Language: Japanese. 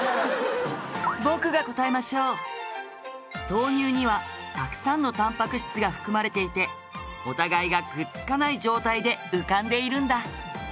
豆乳にはたくさんのたんぱく質が含まれていてお互いがくっつかない状態で浮かんでいるんだ。